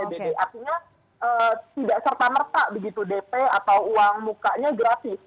artinya tidak serta merta begitu dp atau uang mukanya gratis